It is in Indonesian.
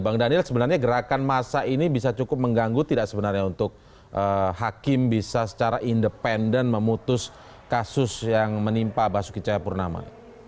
bang daniel sebenarnya gerakan masa ini bisa cukup mengganggu tidak sebenarnya untuk hakim bisa secara independen memutus kasus yang menimpa basuki cahayapurnama